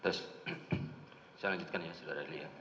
terus saya lanjutkan ya saudara adli ya